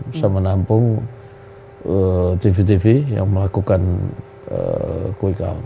bisa menampung tv tv yang melakukan quick count